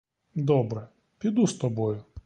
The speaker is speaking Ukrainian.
Добре, піду з тобою.